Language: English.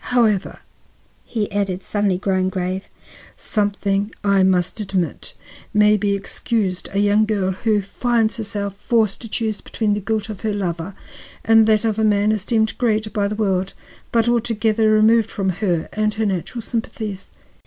However," he added, suddenly growing grave, "something, I must admit, may be excused a young girl who finds herself forced to choose between the guilt of her lover and that of a man esteemed great by the world, but altogether removed from her and her natural sympathies."